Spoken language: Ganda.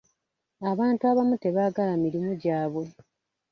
Abantu abamu tebaagala mirimu gyabwe.